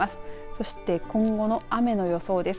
そして、今後の雨の予想です。